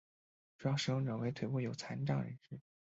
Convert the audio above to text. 主要使用者为腿部有残障人士。